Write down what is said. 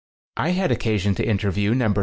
I had occasion to interview No.